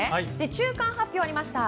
中間発表がありました。